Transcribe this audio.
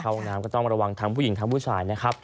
ห้องน้ำก็ต้องระวังทั้งผู้หญิงทั้งผู้ชายนะครับ